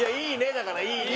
だから「いいね」。